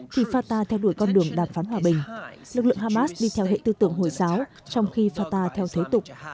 khi fata theo đuổi con đường đàm phán hòa bình lực lượng hamas đi theo hệ tư tưởng hồi giáo trong khi fata theo thế tục